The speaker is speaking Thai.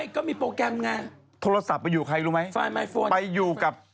ก็มีโปรแกรมงานโทรศัพท์ไปอยู่คลายรู้ไหมฟานด์ไมสเฟอะไปอยู่กับ